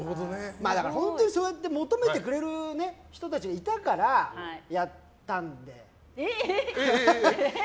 だから本当にそうやって求めてくれる人たちがいたから、やったんであって。